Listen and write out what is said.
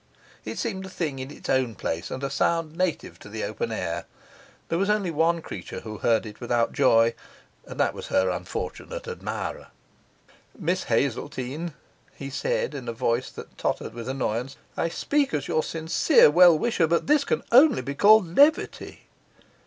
It seemed a thing in its own place and a sound native to the open air. There was only one creature who heard it without joy, and that was her unfortunate admirer. 'Miss Hazeltine,' he said, in a voice that tottered with annoyance, 'I speak as your sincere well wisher, but this can only be called levity.